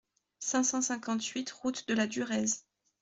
cinq cent cinquante-huit route de la Durèze